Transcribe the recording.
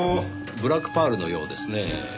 ブラックパールのようですねぇ。